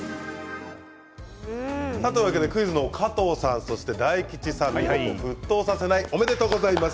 クイズは加藤さんそして大吉さん沸騰させないおめでとうございます。